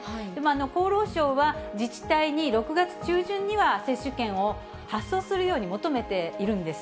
厚労省は自治体に６月中旬には接種券を発送するように求めているんです。